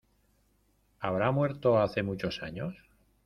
¿ habrá muerto hace muchos años?